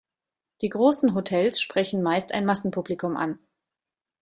Die großen Hotels sprechen meist ein Massenpublikum an.